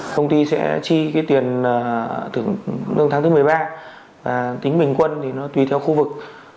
công ty sẽ chi tiền lương tháng thứ một mươi ba tính bình quân thì nó tùy theo khu vực